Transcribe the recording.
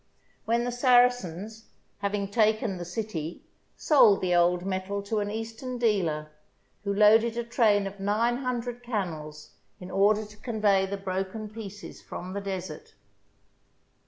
when the Saracens, having taken the city, sold the old metal to an Eastern dealer, who loaded a train of nine hundred camels in order to convey the broken pieces from the desert.